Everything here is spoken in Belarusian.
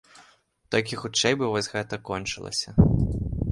Толькі хутчэй бы вось гэта кончылася.